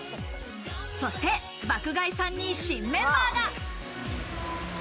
そして爆買いさんに新メンバーが。